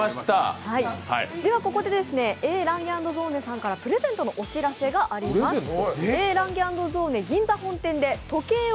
Ａ．ランゲ＆ゾーネさんからプレゼントのお知らせがあります。